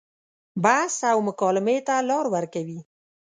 بحث او مکالمې ته لار ورکوي.